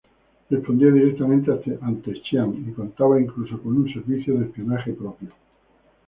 Respondía directamente ante Chiang y contaba incluso con un servicio de espionaje propio.